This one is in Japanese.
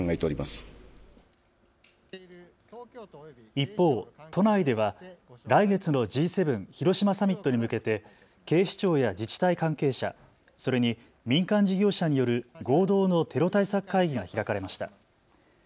一方、都内では来月のＧ７広島サミットに向けて警視庁や自治体関係者、それに民間事業者による合同のテロ対策会議が開かれました。